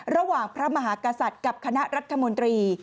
ระหว่างพระมหากษัตริย์กับคณะรัฐมนตรี